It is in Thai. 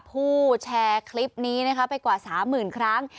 ผู้แชร์คลิปนี้ไปกว่า๓๐๐๐๐ครั้ง